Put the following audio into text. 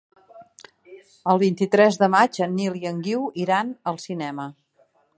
El vint-i-tres de maig en Nil i en Guiu iran al cinema.